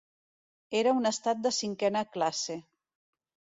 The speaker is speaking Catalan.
Era un estat de cinquena classe.